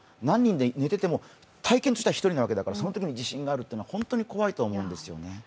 何人で寝てても体験としては一人なわけだからそのときに地震があるっていうのは本当に怖いと思うんですね。